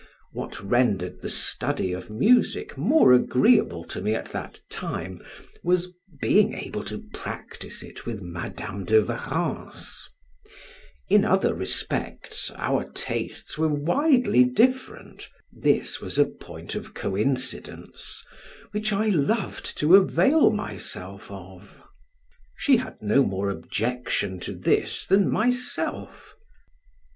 What rendered the study of music more agreeable to me at that time, was, being able to practise it with Madam de Warrens. In other respects our tastes were widely different: this was a point of coincidence, which I loved to avail myself of. She had no more objection to this than myself.